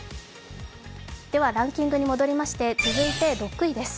ではランキングに戻りまして続いて６位です。